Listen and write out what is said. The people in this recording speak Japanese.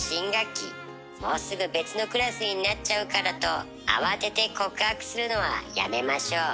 もうすぐ別のクラスになっちゃうからと慌てて告白するのはやめましょう。